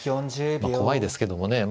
まあ怖いですけどもね。